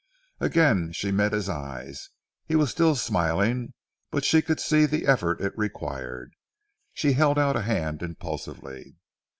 Again she met his eyes, he was still smiling, but she could see the effort it required. She held out a hand impulsively.